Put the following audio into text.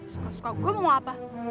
suka suka gue mau apa